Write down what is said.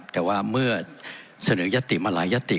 แต่ว่าเมื่อเสนอยัตติมาหลายยติ